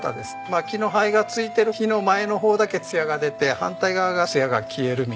薪の灰がついてる火の前の方だけつやが出て反対側がつやが消えるみたいな。